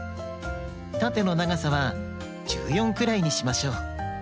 たてのながさは１４くらいにしましょう。